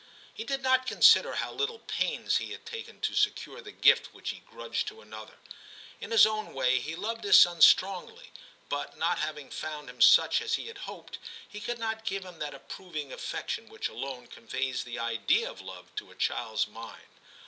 He did not consider how little pains he had taken to secure the gift which he grudged to another; in his own way he loved his son strongly, but not having found him such as he had hoped, he could not give him that approving affection which alone conveys the idea of love to a child's mind.